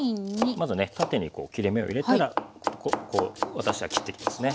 まずね縦にこう切れ目を入れたらこう私は切っていきますね。